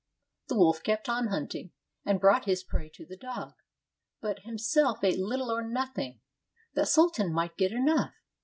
The wolf kept on hunting, and brought his prey to the dog; but himself ate little or nothing, that Sultan might get enough.